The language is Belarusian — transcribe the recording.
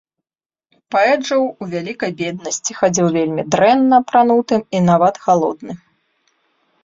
Паэт жыў у вялікай беднасці, хадзіў вельмі дрэнна апранутым і нават галодным.